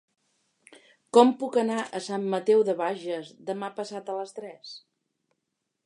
Com puc anar a Sant Mateu de Bages demà passat a les tres?